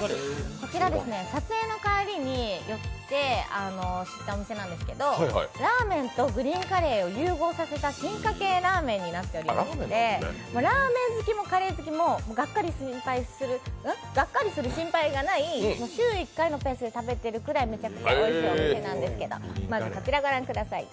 こちら撮影の帰りに寄って知ったお店なんですけどラーメンとグリーンカレーを融合させた進化系ラーメンになっておりましてラーメン好きもカレー好きもがっかりする心配がないもう週１回のペースで食べてるくらいめちゃくちゃおいしいラーメンなんですけどまずこちらご覧ください。